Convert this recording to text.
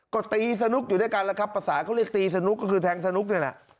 ก็ตีสนุกอยู่ด้วยกันแล้วครับภาษาเขาเรียกตีสนุกก็คือแทงสนุกนี่แหละ